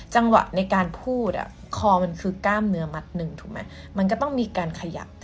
จังหวะในการพูดคอมันคือกล้ามเนื้อมัดหนึ่งถูกไหมมันก็ต้องมีการขยับ